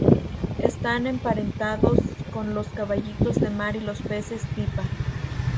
Están emparentados con los caballitos de mar y los peces pipa.